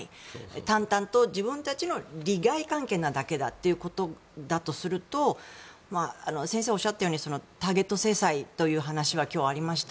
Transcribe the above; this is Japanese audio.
淡々と自分たちの利害関係なだけということだとすると先生がおっしゃったようにターゲット制裁という話が今日、ありました。